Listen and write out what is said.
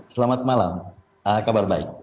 selamat malam kabar baik